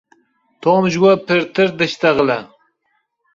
Tom ji we pirtir dişitexile.